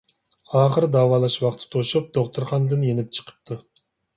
ئاخىرى داۋالاش ۋاقتى توشۇپ دوختۇردىن يېنىپ چىقىپتۇ.